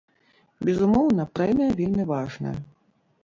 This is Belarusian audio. Безумоўна, прэмія вельмі важная.